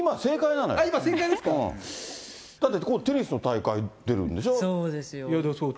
今、だってテニスの大会出るんでそうですよ。